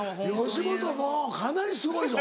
吉本かなりすごいぞ。